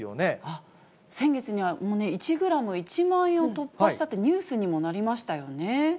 あっ、先月にはもうね、１グラム１万円を突破したって、ニュースにもなりましたよね。